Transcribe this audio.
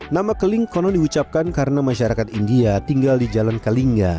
nama keling konon diucapkan karena masyarakat india tinggal di jalan kelinga